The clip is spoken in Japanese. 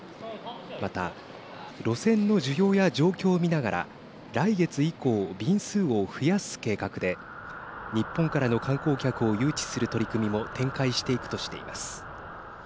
また路線の需要や状況を見ながら来月以降、便数を増やす計画で日本からの観光客を誘致する取り組みも展開していくとしています。